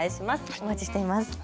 お待ちしています。